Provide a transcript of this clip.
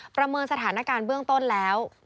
ประเมินสถานการณ์เบื้องต้นแล้ว